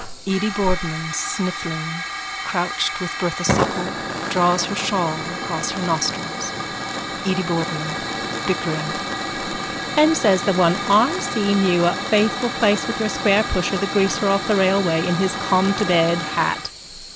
(Edy Boardman, sniffling, crouched with Bertha Supple, draws her shawl across her nostrils.) EDY BOARDMAN: (Bickering.) And says the one: I seen you up Faithful place with your squarepusher, the greaser off the railway, in his cometobed hat.